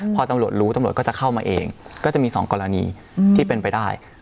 พอตำรวจรู้ตำรวจก็จะเข้ามาเองก็จะมี๒กรณีที่เป็นไปได้